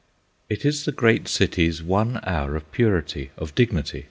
It is the great city's one hour of purity, of dignity.